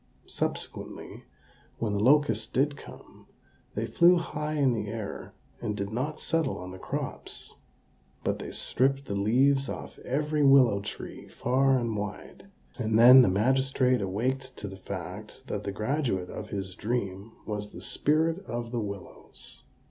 Subsequently, when the locusts did come, they flew high in the air, and did not settle on the crops; but they stripped the leaves off every willow tree far and wide; and then the magistrate awaked to the fact that the graduate of his dream was the Spirit of the Willows.